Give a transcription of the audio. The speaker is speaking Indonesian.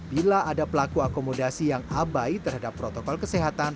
bila ada pelaku akomodasi yang abai terhadap protokol kesehatan